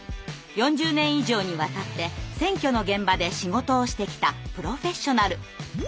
４０年以上にわたって選挙の現場で仕事をしてきたプロフェッショナル！